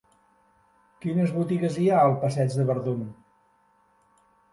Quines botigues hi ha al passeig de Verdun?